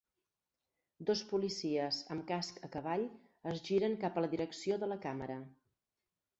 Dos policies amb casc a cavall es giren cap a la direcció de la càmera.